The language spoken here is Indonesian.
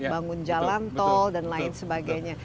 bangun jalan tol dan lain sebagainya